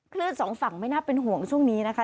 สองฝั่งไม่น่าเป็นห่วงช่วงนี้นะคะ